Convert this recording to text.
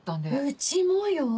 うちもよ！